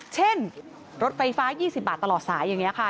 เช่นรถไฟฟ้า๒๐บาทตลอดสายอย่างนี้ค่ะ